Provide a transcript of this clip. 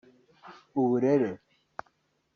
uburere